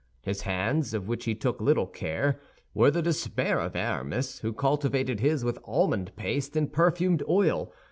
His hands, of which he took little care, were the despair of Aramis, who cultivated his with almond paste and perfumed oil.